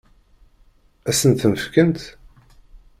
Ad sent-tent-fkent?